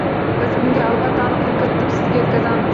Biz bunga albatta aniqlik kiritib sizga yetkazamiz.